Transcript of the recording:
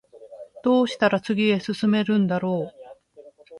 どうしたら次へ進めるんだろう